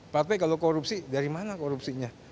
partai kalau korupsi dari mana korupsinya